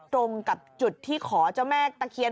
ตรงกับจุดที่ขอเจ้าแม่ตะเคียน